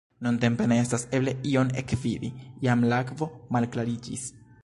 Nuntempe ne estas eble ion ekvidi, jam la akvo malklariĝis.